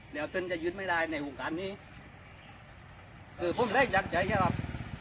เดี๋ยวเติ้ลจะยืนไม่ได้ในโครงการนี้คือผมเล่นดังใจครับ